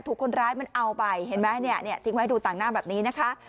ถูกคนร้ายมันเอาไปเห็นไหมเนี่ยทิ้งไว้ดูต่างหน้าแบบนี้นะคะ